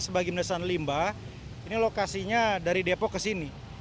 sebagian besar limbah ini lokasinya dari depok ke sini